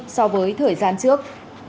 so với thời gian trước